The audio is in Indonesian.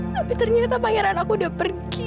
tapi ternyata pangeran aku udah pergi